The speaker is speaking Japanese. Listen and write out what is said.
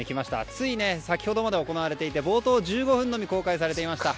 つい先ほどまで行われていた冒頭１５分のみ公開されました。